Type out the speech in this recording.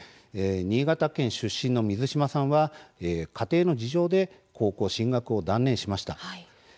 新潟県出身の水島さんは家庭の事情で高校進学を断念しました。